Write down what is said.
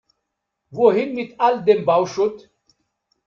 Wohin mit all dem Bauschutt?